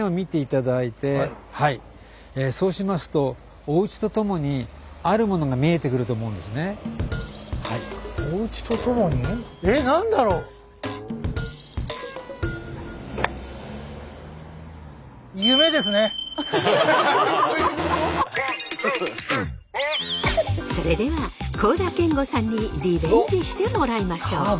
そうしますとそれでは高良健吾さんにリベンジしてもらいましょう。